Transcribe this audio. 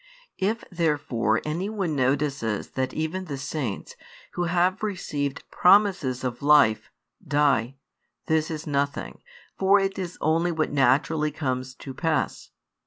If therefore any one notices that even the saints, who have received promises of life, die; this is nothing, for it is only what naturally comes to pass.